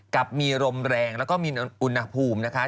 กับมีรมแรงและมีอุณหภูมิ